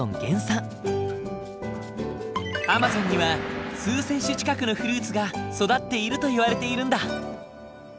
アマゾンには数千種近くのフルーツが育っているといわれているんだ。